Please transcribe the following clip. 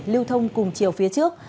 lưu thông cùng chiều phía trước